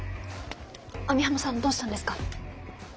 網浜さんどうしたんですか？